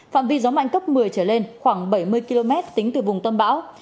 phạm vi gió mạnh cấp một mươi trở lên khoảng bảy mươi km tính từ vùng tâm bão